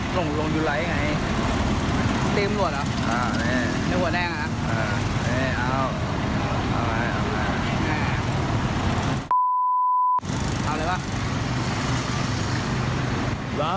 ก็ลงอยู่ไหนไงตีมรวดเหรอเงี้ยหัวแดงอะเออเอา